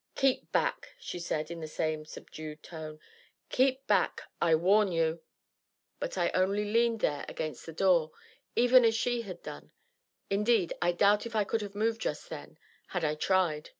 "Keep back!" she said, in the same subdued tone, "keep back I warn you!" But I only leaned there against the door, even as she had done; indeed, I doubt if I could have moved just then, had I tried.